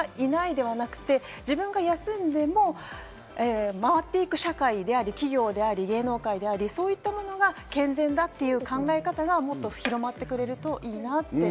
だから自分の代わりはいないではなくて、自分が休んでも回っていく社会であり、企業であり、芸能界であり、それが健全だという考え方がもっと広まってくれるといいなと。